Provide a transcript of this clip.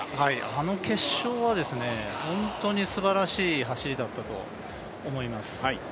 あの決勝は本当にすばらしい走りだったと思います。